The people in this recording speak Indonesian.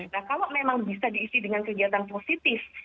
nah kalau memang bisa diisi dengan kegiatan positif